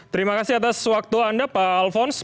terima kasih atas waktu anda pak alphonse